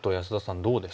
どうですか？